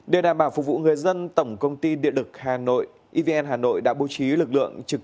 để đảm bảo phục vụ người dân tổng công ty điện lực hà nội evn hà nội đã bố trí lực lượng trực